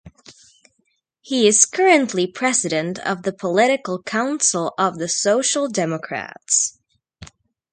He is currently president of the Political Council of the Social Democrats.